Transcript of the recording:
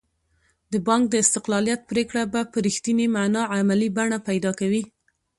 د بانک د استقلالیت پرېکړه به په رښتینې معنا عملي بڼه پیدا کوي.